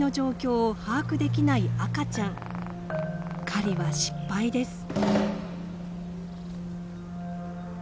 狩りは失敗です。